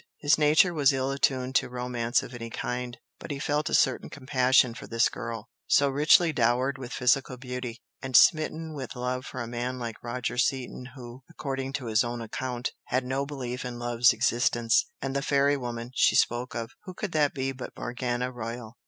His nature was ill attuned to romance of any kind, but he felt a certain compassion for this girl, so richly dowered with physical beauty, and smitten with love for a man like Roger Seaton who, according to his own account, had no belief in love's existence. And the "fairy woman" she spoke of who could that be but Morgana Royal?